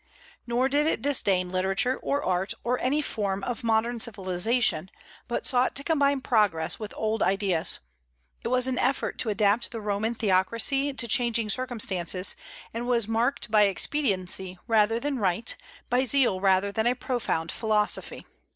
Nor did it disdain literature or art, or any form of modern civilization, but sought to combine progress with old ideas; it was an effort to adapt the Roman theocracy to changing circumstances, and was marked by expediency rather than right, by zeal rather than a profound philosophy.